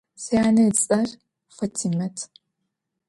Syane ıts'er Fat'imet.